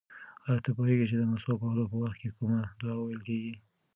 ایا ته پوهېږې چې د مسواک وهلو په وخت کې کومه دعا ویل کېږي؟